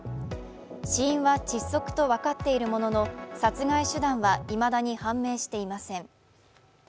死因は窒息と分かっているものの殺害手段はいまだに判明していません。